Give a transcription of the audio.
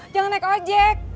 jangan naik ojek